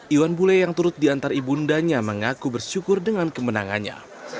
iwan bule yang turut diantar ibu undanya mengaku bersyukur dengan kemenangannya